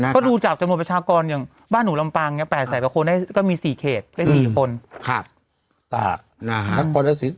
ก็ดูจากจำนวนประชากรอย่างบ้านหนูลำปาง๘แสนกว่าคนได้ก็มี๔เขตได้๔คน